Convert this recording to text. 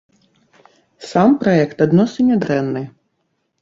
Сам праект адносна нядрэнны.